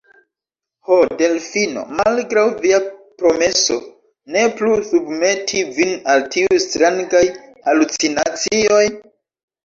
Ho, Delfino, malgraŭ via promeso, ne plu submeti vin al tiuj strangaj halucinacioj?